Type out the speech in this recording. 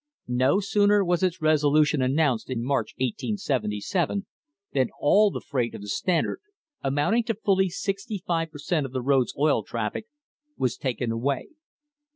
No sooner was its resolution announced in March, 1877, than all the freight of the Standard, amounting to fully sixty five per cent, of the road's oil traffic, was taken away.